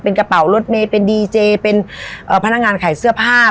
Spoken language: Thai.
เป็นกระเป๋ารถเมย์เป็นดีเจเป็นพนักงานขายเสื้อผ้า